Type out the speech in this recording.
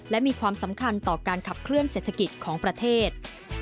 และมีความสำคัญต่อการขับเคลื่อเศรษฐกิจของประเทศ